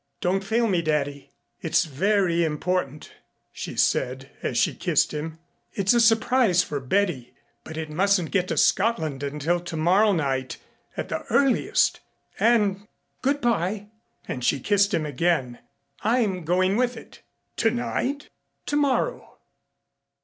"Don't fail me, daddy. It's very important " she said as she kissed him. "It's a surprise for Betty, but it mustn't get to Scotland until tomorrow night at the earliest. And good by " And she kissed him again. "I'm going with it." "Tonight?" "Tomorrow."